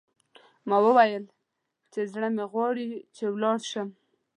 ما وویل چې، زړه مې غواړي چې ولاړ شم.